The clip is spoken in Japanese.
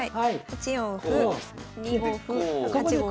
８四歩２五歩８五歩。